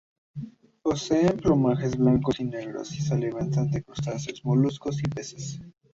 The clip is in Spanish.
Poseen plumajes blancos y negros, y se alimentan de crustáceos, moluscos y peces.